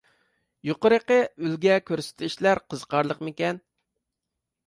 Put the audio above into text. يۇقىرىقى ئۈلگە كۆرسىتىشلەر قىزىقارلىقمىكەن؟